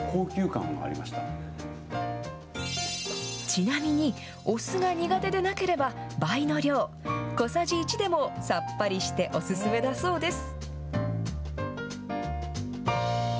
ちなみに、お酢が苦手でなければ、倍の量、小さじ１でも、さっぱりしてお勧めだそうです。